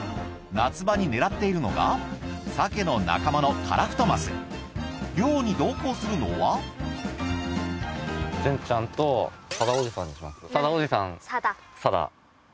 夏場に狙っているのがサケの仲間のカラフトマス漁に同行するのはジュンちゃんとサダおじさん。